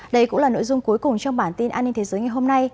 đây cũng là nội dung cuối cùng trong bản tin an ninh thế giới ngày hôm nay